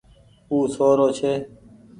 او سو رو ڇي۔